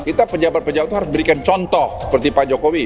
kita pejabat pejabat itu harus memberikan contoh seperti pak jokowi